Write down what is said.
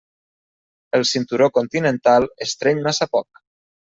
El cinturó continental estreny massa poc.